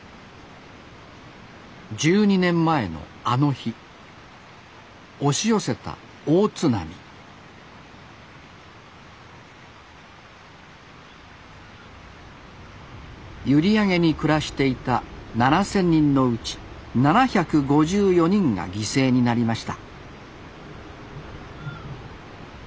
１２年前のあの日押し寄せた大津波閖上に暮らしていた７，０００人のうち７５４人が犠牲になりました